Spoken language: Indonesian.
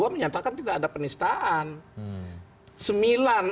dua puluh dua menyatakan tidak ada penistaan